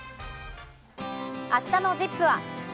あしたのＺＩＰ！は。